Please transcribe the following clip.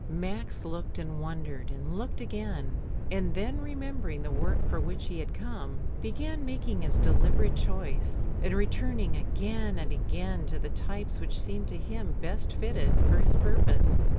Max looked and wondered and looked again, and then remembering the work for which he had come, began making his deliberate choice, and re turning again and again to the types which seemed to him best fitted for his purpose.